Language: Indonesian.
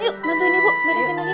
yuk bantuin ibu barisin lagi